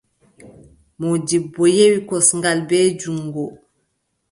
Moodibbo yewi kosngal, bee juŋngo.